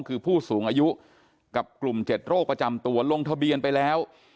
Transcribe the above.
คือผู้สูงอายุกับกลุ่ม๗โรคประจำตัวลงทะเบียนไปแล้ว